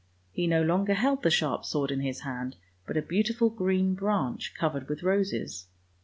He no longer held the sharp sword in his hand, but a beautiful green branch, covered with roses.